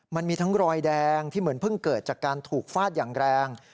มันมีทั้งรอยแดงที่เหมือนเพิ่งเกิดจากการถูกฟาดอย่างแรง